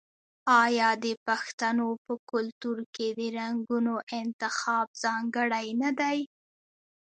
آیا د پښتنو په کلتور کې د رنګونو انتخاب ځانګړی نه دی؟